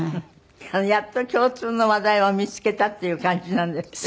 やっと共通の話題を見つけたっていう感じなんですって？